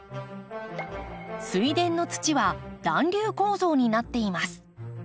水田の土は団粒構造になっています。